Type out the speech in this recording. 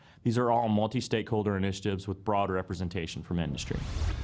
ini semua inisiatif multi sangkaian dengan representasi luas dari industri